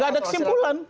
nggak ada kesimpulan